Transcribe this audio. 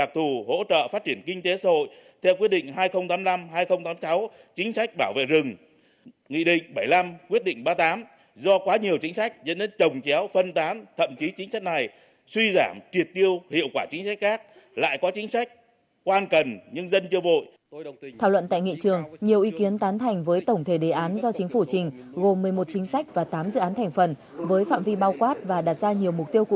thảo luận tại nghị trường nhiều ý kiến tán thành với tổng thể đề án do chính phủ trình gồm một mươi một chính sách và tám dự án thành phần với phạm vi bao quát và đặt ra nhiều mục tiêu khác